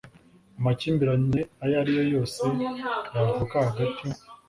amakimbirane ayo ari yo yose yavuka hagati